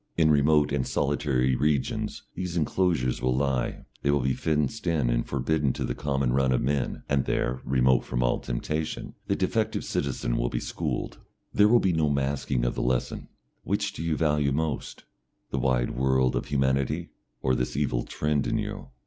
In remote and solitary regions these enclosures will lie, they will be fenced in and forbidden to the common run of men, and there, remote from all temptation, the defective citizen will be schooled. There will be no masking of the lesson; "which do you value most, the wide world of humanity, or this evil trend in you?"